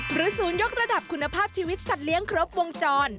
ศูนย์ยกระดับคุณภาพชีวิตสัตว์เลี้ยงครบวงจร